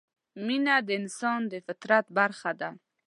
مینه د انسان د فطرت برخه ده.